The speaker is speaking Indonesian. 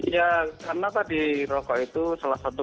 ya karena tadi rokok itu salah satu